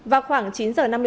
vào khoảng chín h ba mươi